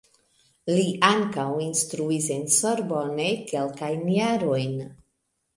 Li ankaŭ instruis en Sorbonne kelkajn jarojn.